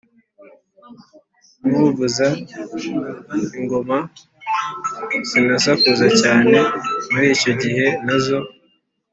nk’uvuza ingoma zinasakuza cyane. Muri icyo gihe na zo